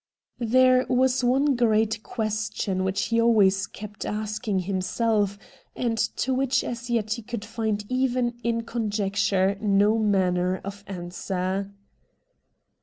There was one great question which he always kept asking himself, and to which as yet he could find even in conjecture no manner of answer.